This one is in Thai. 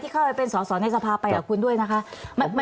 เข้าไปเป็นสอสอในสภาไปกับคุณด้วยนะคะ